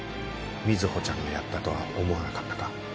瑞穂ちゃんがやったとは思わなかったか？